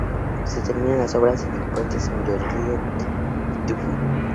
Se terminan las obras en el puente sobre el Río Pitufo.